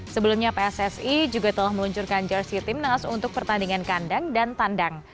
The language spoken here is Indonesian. sebelumnya pssi juga telah meluncurkan jersi timnas untuk pertandingan kandang dan tandang